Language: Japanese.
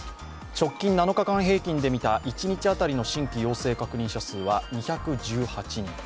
直近７日間平均で見た一日当たりの新規陽性患者数は２１８人。